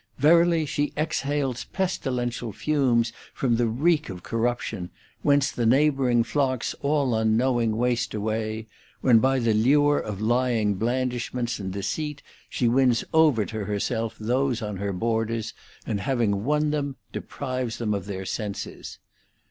Verily she exhales pestilential fumes from the reek of corruption, whence the neighbouring flocks all unknowing waste away, when by the lure of lying blandishments and deceit she wins over to herself those on her borders, and having won them deprives them of their senses.